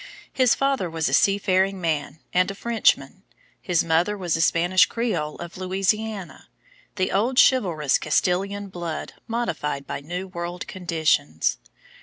His father was a sea faring man and a Frenchman; his mother was a Spanish Creole of Louisiana the old chivalrous Castilian blood modified by new world conditions.